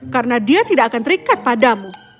karena dia tidak akan terikat padamu